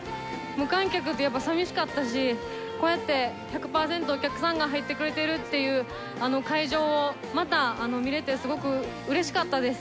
無観客ってやっぱ寂しかったし、こうやって１００％お客さんが入ってくれているっていうあの会場を、また見れてすごくうれしかったです。